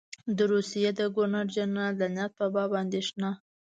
د روسیې د ګورنر جنرال د نیت په باب اندېښنه.